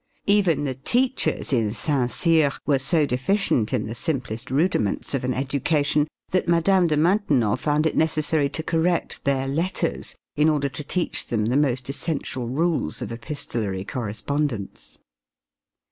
Even the teachers in Saint Cyr were so deficient in the simplest rudiments of an education that Mme. de Maintenon found it necessary to correct their letters, in order to teach them the most essential rules of epistolary correspondence.